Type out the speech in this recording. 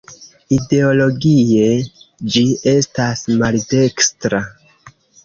Ideologie ĝi estas maldekstra.